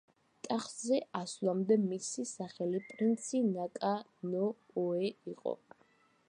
ტახტზე ასვლამდე მისი სახელი პრინცი ნაკა ნო ოე იყო.